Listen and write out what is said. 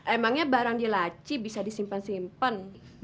emangnya barang di laci bisa disimpen simpen